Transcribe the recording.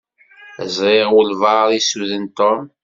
Ẓṛiɣ walebɛaḍ issuden Tom.